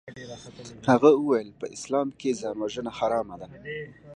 هغه وويل په اسلام کښې ځانوژنه حرامه ده.